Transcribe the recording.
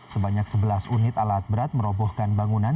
sebanyak sebelas unit alat berat merobohkan bangunan